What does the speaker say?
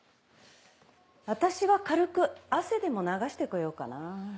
私は軽く汗でも流して来ようかな。